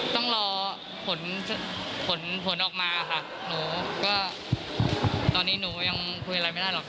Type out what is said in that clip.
ต้องรอผลผลออกมาค่ะหนูก็ตอนนี้หนูยังคุยอะไรไม่ได้หรอก